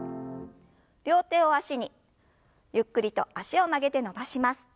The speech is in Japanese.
両手を脚にゆっくりと脚を曲げて伸ばします。